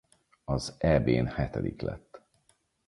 Az Eb-n hetedik lett.